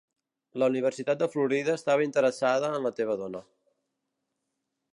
La Universitat de Florida estava interessada en la teva dona.